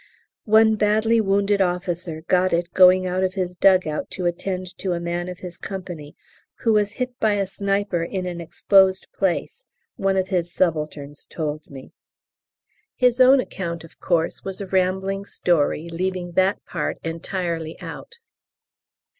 One badly wounded officer got it going out of his dug out to attend to a man of his company who was hit by a sniper in an exposed place, one of his subalterns told me. His own account, of course, was a rambling story leaving that part entirely out.